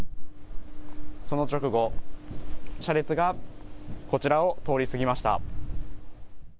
その直後、車列がこちらを通り過ぎました。